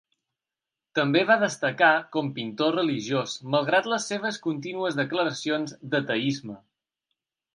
També va destacar com pintor religiós malgrat les seves contínues declaracions d'ateisme.